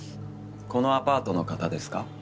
このアパートの方ですか？